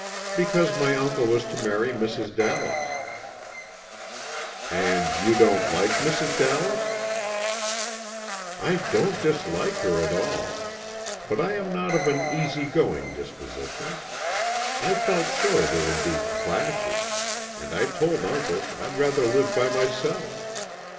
"Because my uncle was to marry Mrs. Dallas." "And you don't like Mrs. Dallas?" "I don't dislike her at all, but I am not of an easy going disposition. I felt sure there would be clashes, and I told uncle I'd rather live by myself.